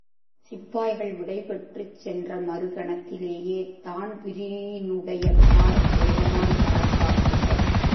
சிப்பாய்கள் விடைபெற்றுச் சென்ற மறுகணத்திலேயே தான்பிரீனுடைய கார் வேகமாய்ப் பறக்க ஆரம்பித்தது.